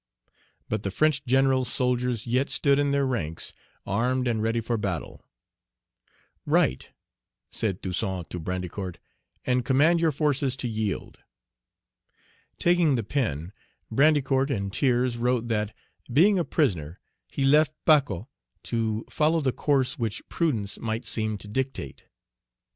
But the French general's soldiers yet stood in their ranks, armed, and ready for battle. "Write," said Toussaint to Brandicourt, "and command your forces to yield." Taking the pen, Brandicourt in tears wrote that, being a prisoner, he left Pacot to follow the course which prudence might seem to dictate.